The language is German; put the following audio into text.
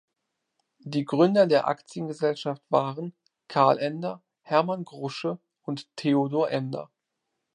Die Gründer der Aktiengesellschaft waren: Karl Ender, Hermann Krusche und Theodor Ender.